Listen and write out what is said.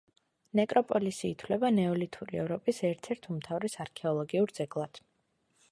ნეკროპოლისი ითვლება ნეოლითური ევროპის ერთ-ერთ უმთავრეს არქეოლოგიურ ძეგლად.